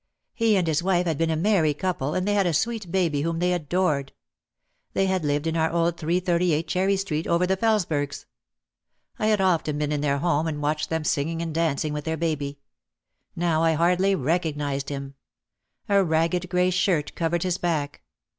He and his wife had been a merry couple and they had a sweet baby whom they adored. They had lived in our old 338 Cherry Street over the Felesbergs. I had often been in their home and watched them singing and dancing with their baby. Now I hardly recognised him. A ragged grey shirt covered his back.